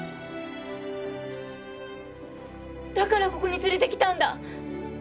だからここに連れてきたんだ。